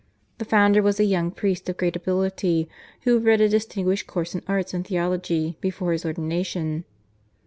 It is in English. The founder was a young priest of great ability, who had read a distinguished course in arts and theology before his ordination.